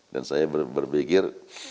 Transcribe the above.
dan saya berpikir